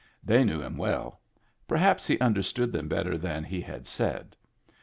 They knew him well; perhaj)s he understood them better than he had said.